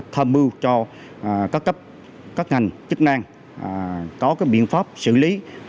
tham mưu cho các cấp các ngành chức năng có biện pháp xử lý